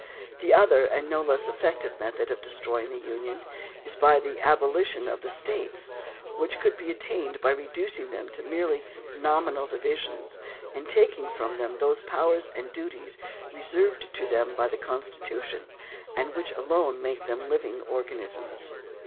The other and no less effective method of destroying the Union is by the abolition of the States, which could be attained by reducing them to merely nominal divisions and taking from them those powers and duties reserved to them by the Constitution and which alone make them living organisms.